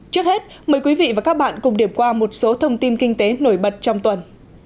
trước hết mời quý vị và các bạn cùng điểm qua một số thông tin kinh tế nổi bật trong tuần